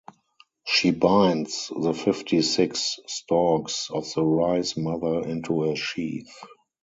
She binds the fifty-six stalks of the Rice Mother into a sheaf.